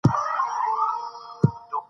زردالو د افغان کورنیو د دودونو مهم عنصر دی.